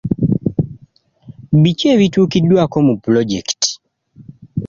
Biki ebituukiddwako mu pulojekiti?